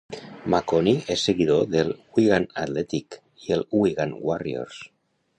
Maconie és seguidor del Wigan Athletic i el Wigan Warriors.